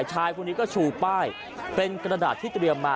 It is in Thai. ชายคนนี้ก็ชูป้ายเป็นกระดาษที่เตรียมมา